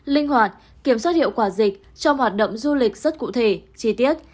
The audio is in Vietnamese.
linh hoạt kiểm soát hiệu quả dịch cho hoạt động du lịch rất cụ thể chi tiết